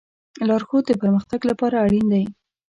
لارښود د پرمختګ لپاره اړین دی.